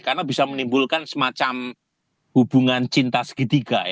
karena bisa menimbulkan semacam hubungan cinta segitiga ya